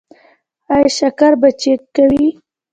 ایا شکر به چیک کوئ؟